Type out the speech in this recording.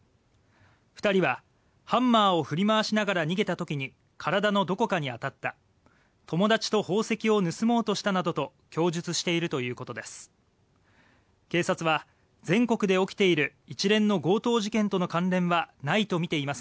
２人はハンマーを振り回しながら逃げた時に体のどこかに当たった友達と宝石を盗もうとしたなどと供述しているということです。